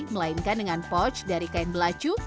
melainkan dengan poch dari kain belacu